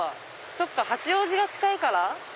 そっか八王子が近いから。